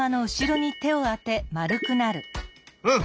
うん！